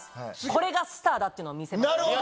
これがスターだっていうのを見せます。